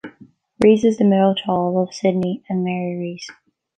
Rees is the middle child of Sidney and Mary Rees.